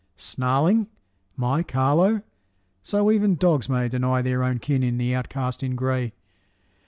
snarling, my Carlo! So even dogs may Deny their own kin in the outcast in gray.